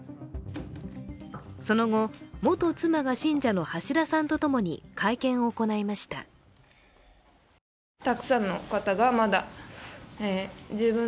その後、元妻が信者の橋田さんと共に会見を行いました。